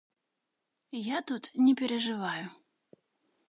Я тут не перажываю.